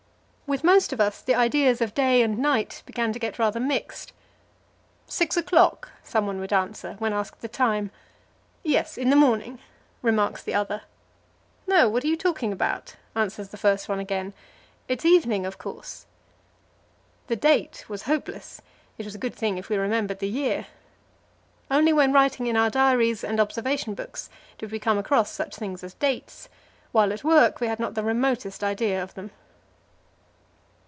With most of us the ideas of day and night began to get rather mixed. "Six o'clock," someone would answer, when asked the time. "Yes, in the morning," remarks the other. "No; what are you talking about?" answers the first one again; "it's evening, of course." The date was hopeless; it was a good thing if we remembered the year. Only when writing in our diaries and observation books did we come across such things as dates; while at work we had not the remotest idea of them.